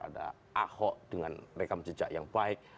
ada ahok dengan rekam jejak yang baik